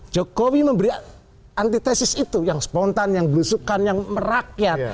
jokowi memberi anti tesis itu yang spontan yang berusukan yang merakyat